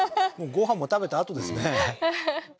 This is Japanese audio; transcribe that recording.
ご飯も食べたあとですね